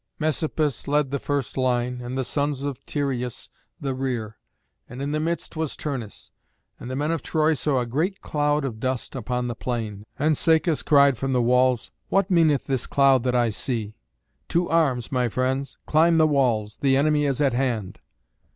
Messapus led the first line, and the sons of Tyrrheus the rear; and in the midst was Turnus. And the men of Troy saw a great cloud of dust upon the plain, and Caïcus cried from the walls, "What meaneth this cloud that I see? To arms, my friends. Climb the walls. The enemy is at hand."